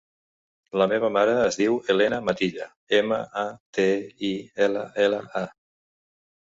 La meva mare es diu Helena Matilla: ema, a, te, i, ela, ela, a.